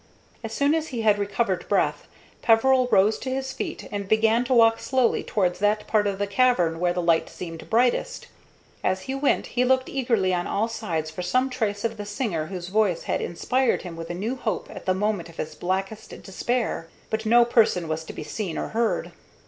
As soon as he had recovered breath, Peveril rose to his feet and began to walk slowly towards that part of the cavern where the light seemed brightest. As he went he looked eagerly on all sides for some trace of the singer whose voice had inspired him with a new hope at the moment of his blackest despair, but no person was to be seen or heard.